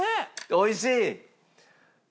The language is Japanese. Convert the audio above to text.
おいしい？